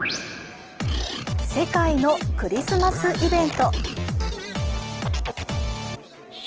世界のクリスマスイベント。